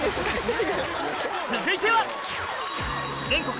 続いては！